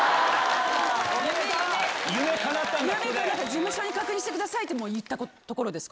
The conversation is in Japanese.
「事務所に確認してください」って言った所です